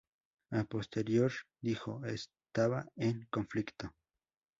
A posteriori dijo: "Estaba en conflicto.